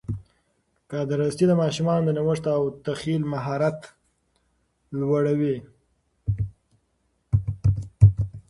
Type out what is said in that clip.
کاردستي د ماشومانو د نوښت او تخیل مهارت لوړوي.